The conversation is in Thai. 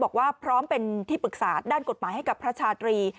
บอกว่าพร้อมเป็นที่ปรึกษาด้านกฎหมายให้กับพระชาตรี